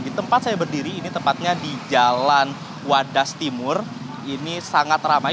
di tempat saya berdiri ini tempatnya di jalan wadas timur ini sangat ramai